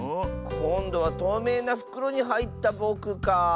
こんどはとうめいなふくろにはいったぼくかあ。